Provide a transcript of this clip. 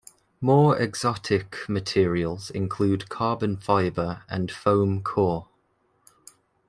More exotic materials include carbon fiber and foam core.